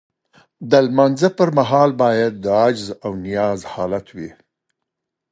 د لمانځه پر مهال باید د عجز او نیاز حالت وي.